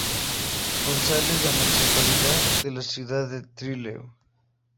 González la Municipalidad de la Ciudad de Trelew.